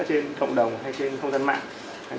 trên cộng đồng hay trên thông tin mạng